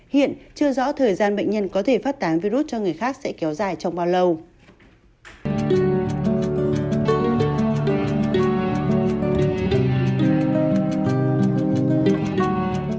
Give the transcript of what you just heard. hiện chưa rõ thời gian bệnh nhân có thể phát tán virus cho người khác sẽ kéo dài trong bao lâu